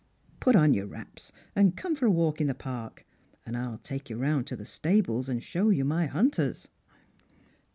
Put on your wraps, and come for a walk in the park, and I'll take you round to the stables and show you my hunters."